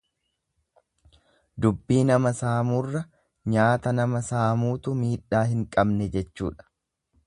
Dubbii nama saamuurra nyaata nama saamuutu miidhaa hin qabne jechuudha.